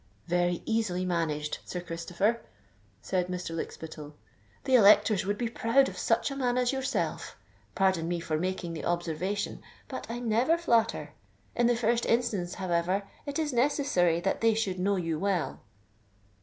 "Very easily managed, Sir Christopher," said Mr. Lykspittal. "The electors would be proud of such a man as yourself:—pardon me for making the observation—but I never flatter. In the first instance, however, it is necessary that they should know you well."